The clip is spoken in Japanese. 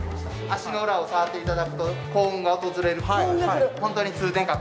足の裏を触っていただくと幸運が訪れるという。